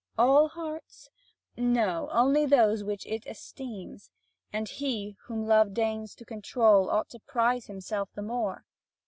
All hearts? No, only those which it esteems. And he whom love deigns to control ought to prize himself the more.